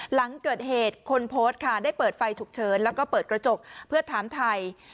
หลังเกิดเหตุคนโพสต์ค่ะได้เปิดไฟฉุกเฉินแล้วก็เปิดกระจกเพื่อถามไทย